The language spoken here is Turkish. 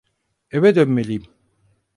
Eve dönmeliyim.